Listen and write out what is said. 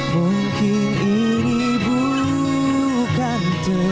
mungkin ini bukan